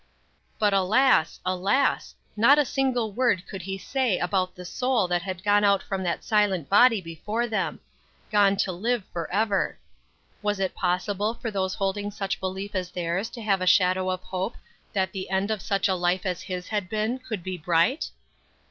But alas, alas! not a single word could he say about the soul that had gone out from that silent body before them; gone to live forever. Was it possible for those holding such belief as theirs to have a shadow of hope that the end of such a life as his had been could be bright?